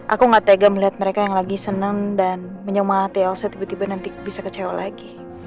aku gak tega melihat mereka yang lagi senang dan menyemati elsa tiba tiba nanti bisa kecewa lagi